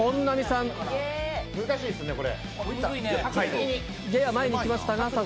難しいですね、これ。